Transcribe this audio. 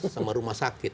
sama rumah sakit